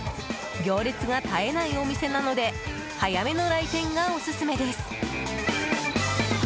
行列が絶えないお店なので早めの来店がオススメです。